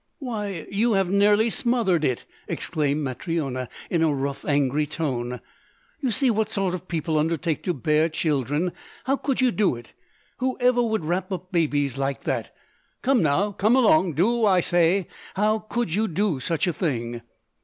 "Why, you have nearly smothered it!" exclaimed Matryona in a rough, angry tone. "You see what sort of people undertake to bear children. How could you do it? Whoever would wrap up babies like that? Come now, come along; do, I say. How could you do such a thing?"